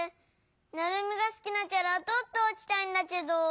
ナルミがすきなキャラとっておきたいんだけど。